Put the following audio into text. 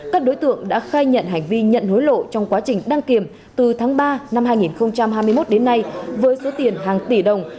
các đối tượng đã khai nhận hành vi nhận hối lộ trong quá trình đăng kiểm từ tháng ba năm hai nghìn hai mươi một đến nay với số tiền hàng tỷ đồng